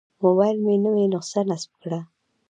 موبایل مې نوې نسخه نصب کړه.